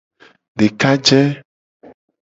Dekaje.